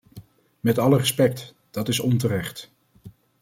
Met alle respect, dat is onterecht.